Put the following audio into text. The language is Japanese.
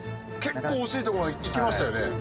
結構惜しいとこまで行きましたよね。